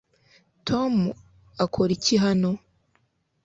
tom akora iki hano